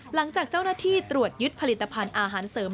หลังจากเจ้าหน้าที่ตรวจยึดผลิตภัณฑ์อาหารเสริม